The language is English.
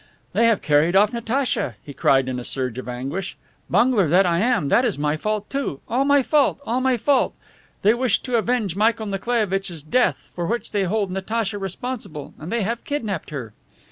"They have carried off Natacha," he cried in a surge of anguish. "bungler that I am, that is my fault too all my fault all my fault! They wished to avenge Michael Nikolaievitch's death, for which they hold Natacha responsible, and they have kidnapped her."